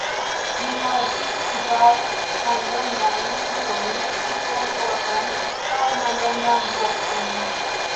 Ĝi havis kvar mallongajn krurojn, dikan korpon, kaj mallongan voston.